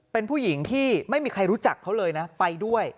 เป็นผู้หญิงที่ไม่มีใครรู้จักเขาเลยนะไปด้วย